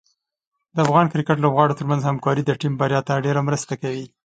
د افغان کرکټ لوبغاړو ترمنځ همکاري د ټیم بریا ته ډېره مرسته کوي.